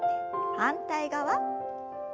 反対側。